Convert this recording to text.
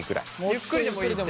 ゆっくりでもいいって。